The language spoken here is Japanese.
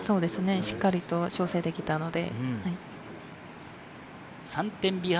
しっかり調整できたので。